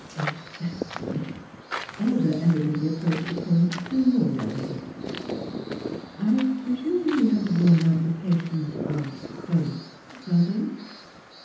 "Exactly." Olga evidently approached a point still more delicate. "I presume he has worn out the patience of both brothers?"